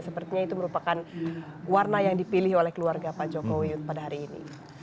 sepertinya itu merupakan warna yang dipilih oleh keluarga pak jokowi pada hari ini